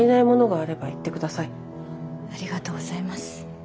ありがとうございます。